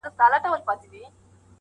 خدايه ښه نـری بـاران پرې وكړې نن.